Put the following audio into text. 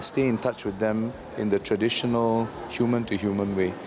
dan tetap berhubung dengan mereka dengan cara manusia tradisional